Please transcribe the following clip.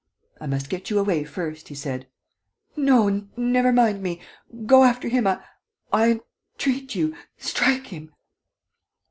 "I must get you away first," he said. "No, never mind me ... go after him. ... I entreat you. ... Strike him!"